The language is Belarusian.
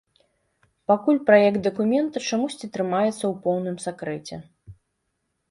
Пакуль праект дакумента чамусьці трымаецца ў поўным сакрэце.